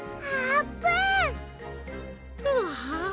うわ。